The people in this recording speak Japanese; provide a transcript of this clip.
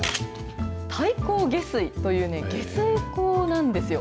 太閤下水という、下水溝なんですよ。